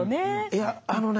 いやあのね